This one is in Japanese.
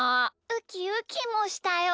ウキウキもしたよ。